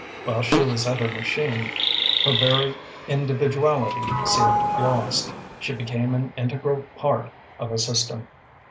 While she was at her machine, her very individuality seemed lost; she became an integral part of a system.